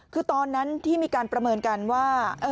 คือตอนนั้นที่มีการประเมินกันว่า